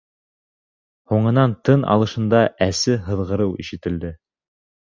Һуңынан тын алышында әсе һыҙғырыу ишетелде.